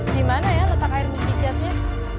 dimana ya letak air muntijasnya